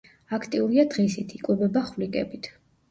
აქტიურია დღისით, იკვებება ხვლიკებით.